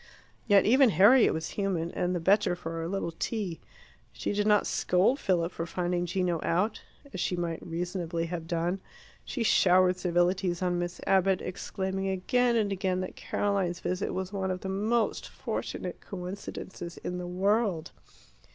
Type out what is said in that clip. Yet even Harriet was human, and the better for a little tea. She did not scold Philip for finding Gino out, as she might reasonably have done. She showered civilities on Miss Abbott, exclaiming again and again that Caroline's visit was one of the most fortunate coincidences in the world.